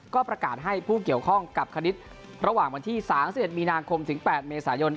ก็ประกาศให้ผู้เกี่ยวข้องกับคณิตระหว่างวันที่๓๑มีนาคมถึง๘เมษายน